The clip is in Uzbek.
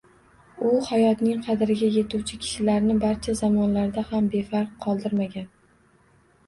U hayotning qadriga yetuvchi kishilarni barcha zamonlarda ham befarq qoldirmagan